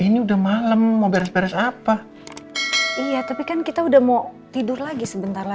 nggak usah kemana mana